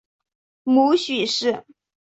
母许氏。